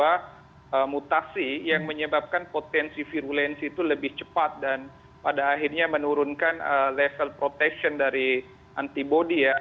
jadi di dalam rantai rna nya terdapat dua mutasi yang menyebabkan potensi virulensi itu lebih cepat dan pada akhirnya menurunkan level protection dari antibody ya